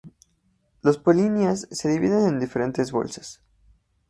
Las polinias se dividen en diferentes bolsas.